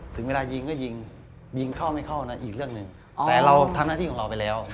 ถึงเวลายิงก็ยิงยิงเข้าไม่เข้านะอีกเรื่องหนึ่งแต่เราทำหน้าที่ของเราไปแล้ว